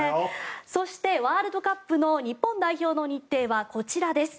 そして、ワールドカップの日本代表の日程はこちらです。